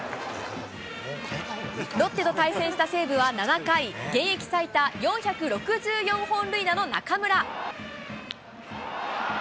ロッテと対戦した西武は７回、現役最多４６４本塁打の中村。